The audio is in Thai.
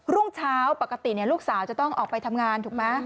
รุ่งเช้าปกติลูกสาวจะต้องออกไปทำงานถูกไหม